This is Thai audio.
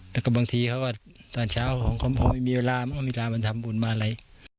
แล้วก็บางทีเขาก็ตอนเช้าเขามีเวลามีเวลามาทำบุญมาเลย